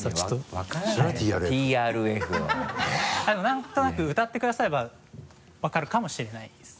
なんとなく歌ってくだされば分かるかもしれないです。